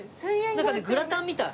なんかねグラタンみたい。